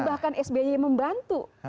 bahkan sby membantu